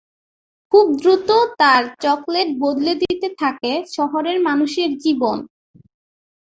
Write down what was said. খুব দ্রুত তার চকোলেট বদলে দিতে থাকে শহরের মানুষের জীবন।